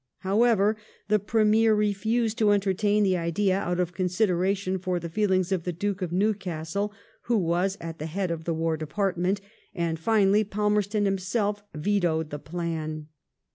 However, the Premier refused to entertain the idea out of consideration for the feelings of the Duke of Newcastle, who was at the head of the War Department, and finally Palmerston himself vetoed the plan.